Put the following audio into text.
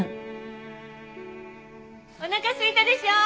おなかすいたでしょ？